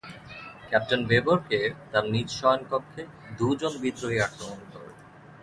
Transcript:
Captain বেভরকে তার নিজ শয়নকক্ষে দুজন বিদ্রোহী আক্রমণ করে।